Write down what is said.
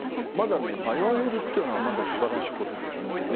まだ迷えるというのは素晴らしいことであってね